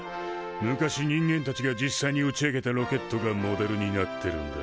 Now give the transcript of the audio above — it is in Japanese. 昔人間たちが実際に打ち上げたロケットがモデルになってるんだ。